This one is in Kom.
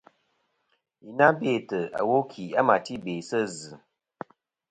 Yi na bêtɨ iwo kì a ma ti be sɨ zɨ.